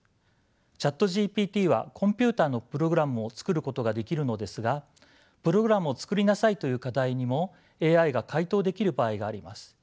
ＣｈａｔＧＰＴはコンピューターのプログラムを作ることができるのですがプログラムを作りなさいという課題にもＡＩが回答できる場合があります。